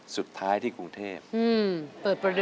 สุดท้ายที่กรุงเทพ